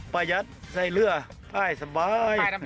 ปลายัดใส่เรือพ่ายสบาย